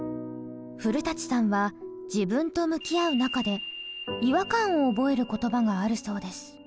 古さんは自分と向き合う中で違和感を覚える言葉があるそうです。